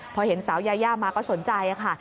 พอเห็นสาวยายามาก็สนใจค่ะ